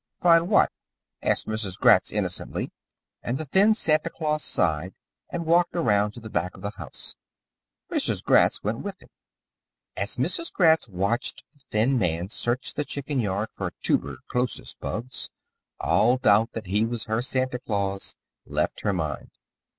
"Find what?" asked Mrs. Gratz innocently, and the thin Santa Claus sighed and walked around to the back of the house. Mrs. Gratz went with him. As Mrs. Gratz watched the thin man search the chicken yard for toober chlosis bugs all doubt that he was her Santa Claus left her mind.